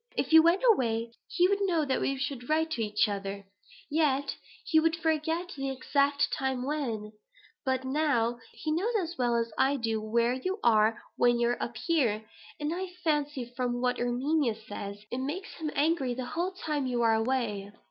If you went away, he would know that we should write to each other yet he would forget the exact time when; but now he knows as well as I do where you are when you are up here; and I fancy, from what Erminia says, it makes him angry the whole time you are away."